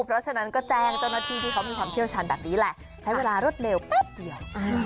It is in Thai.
เพราะฉะนั้นก็แจ้งเจ้าหน้าที่ที่เขามีความเชี่ยวชันแบบนี้แหละใช้เวลารวดเร็วแป๊บเดียว